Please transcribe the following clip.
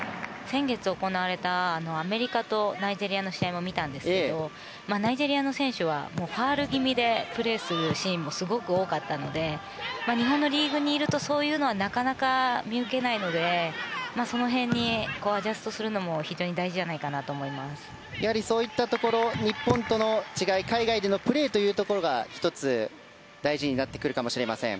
先月行われたアメリカとナイジェリアの試合も見たんですけどナイジェリアの選手はファウル気味でプレーするシーンもすごく多かったので日本のリーグにいるとそういうのはなかなか見受けないのでその辺にアジャストするのも非常に大事じゃないかなとやはりそういったところ日本との違い海外でのプレーというところが１つ、大事になってくるかもしれません。